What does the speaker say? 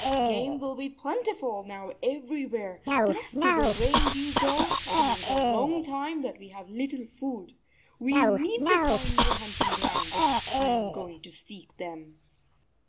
"Game will be plentiful now everywhere, but after the reindeer go, there is a long time that we have little food. We need to find new hunting grounds. I am going to seek them."